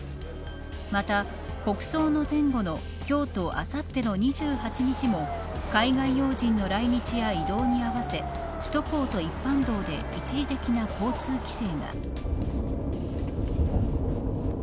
また、国葬の前後の今日とあさっての２８日も海外要人の来日や移動に合わせ首都高と一般道で一時的な交通規制が。